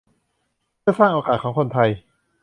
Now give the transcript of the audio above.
เพื่อสร้างโอกาสของคนไทย